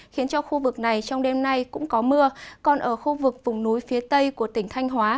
khiến cho khu vực này trong đêm nay cũng có mưa còn ở khu vực vùng núi phía tây của tỉnh thanh hóa